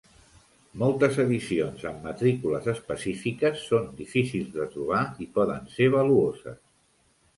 Moltes edicions amb matrícules específiques són difícils de trobar i poden ser valuoses.